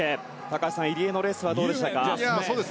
高橋さん、入江のレースどうでしたか？